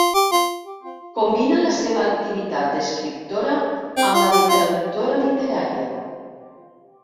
Combina la seva activitat d'escriptora amb la de traductora literària.